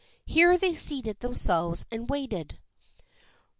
Here they seated themselves and waited.